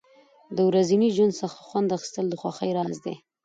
د ورځني ژوند څخه خوند اخیستل د خوښۍ راز دی.